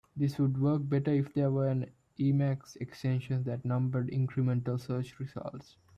This would work better if there were an Emacs extension that numbered incremental search results.